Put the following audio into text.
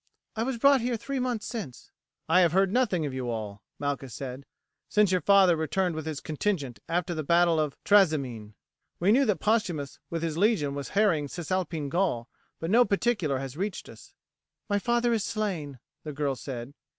"I was brought here three months since." "I have heard nothing of you all," Malchus said, "since your father returned with his contingent after the battle of Trasimene. We knew that Postumius with his legion was harrying Cisalpine Gaul, but no particular has reached us." "My father is slain," the girl said.